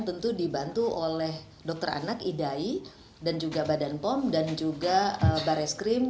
tentu dibantu oleh dokter anak idai dan juga badan pom dan juga barreskrim